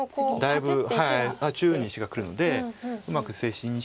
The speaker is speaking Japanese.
だいぶ中央に石がくるのでうまく捨て石にして。